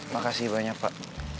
makasih banyak pak